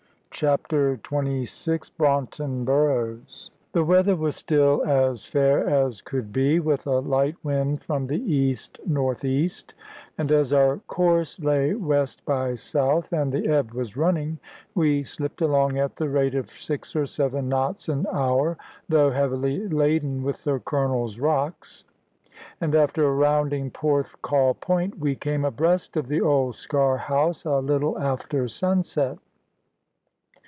CHAPTER XXVI. BRAUNTON BURROWS. The weather was still as fair as could be, with a light wind from the east north east; and as our course lay west by south, and the ebb was running, we slipped along at the rate of six or seven knots an hour, though heavily laden with the Colonel's rocks; and after rounding Porthcawl Point we came abreast of the old Sker House a little after sunset.